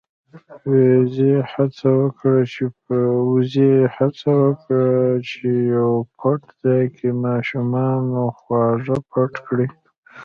وزې هڅه وکړه چې په يو پټ ځای کې د ماشومانو خواږه پټ کړي.